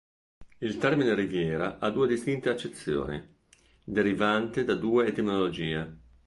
Il termine riviera ha due distinte accezioni, derivanti da due etimologie.